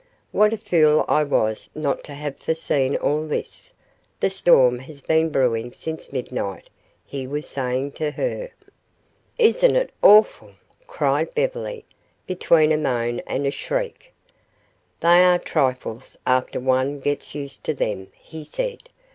What a fool I was not to have foreseen all this! The storm has been brewing since midnight," he was saying to her. "Isn't it awful?" cried Beverly, between a moan a shriek. "They are trifles after one gets used to them," he said.